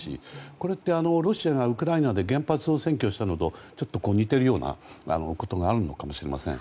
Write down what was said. これってロシアがウクライナで原発を占拠したのとちょっと似てるようなことがあるのかもしれません。